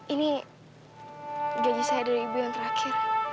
ini gaji saya dari ibu yang terakhir